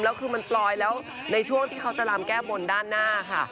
แล้วคือเปล่าจะรำแก้บนด้านหน้าค่ะ